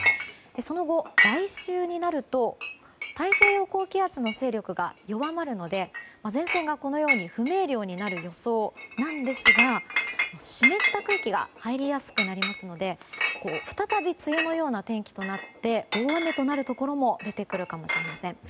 その後、来週になると太平洋高気圧の勢力が弱まるので前線が不明瞭になる予想ですが湿った空気が入りやすくなりますので再び梅雨のような天気となって大雨となるところも出てくるかもしれません。